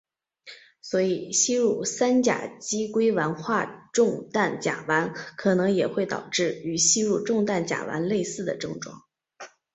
所以吸入三甲基硅烷化重氮甲烷可能也会导致与吸入重氮甲烷类似的症状。